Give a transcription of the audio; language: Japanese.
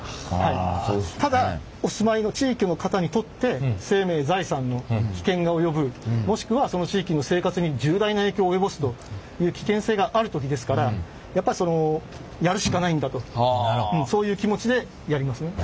ただお住まいの地域の方にとって生命財産の危険が及ぶもしくはその地域の生活に重大な影響を及ぼすという危険性がある時ですからやっぱそのやるしかないんだとそういう気持ちでやりますね。